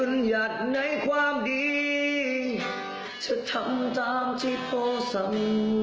จะทำตามที่โพธิสำนักศึกษา